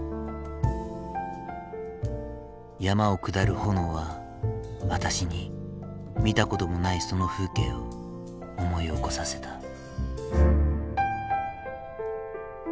山を下る炎は私に見たこともないその風景を思い起こさせた。